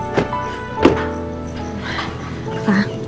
terima kasih juga